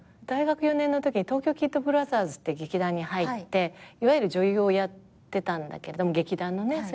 大学４年のときに東京キッドブラザースって劇団に入っていわゆる女優をやってたんだけど劇団のね。